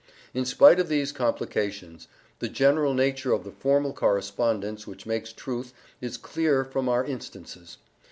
In spite of these complications, the general nature of the formal correspondence which makes truth is clear from our instances.